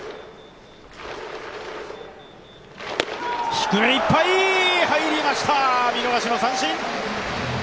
低めいっぱい、入りました、見逃しの三振。